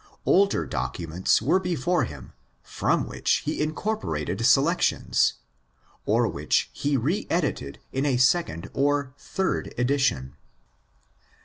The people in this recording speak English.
Older documents were before him from which he incor porated selections; or which he re edited in a second or third edition.